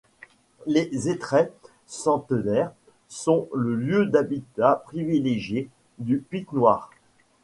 Les hêtraies centenaires sont le lieu d'habitat privilégié du pic noir.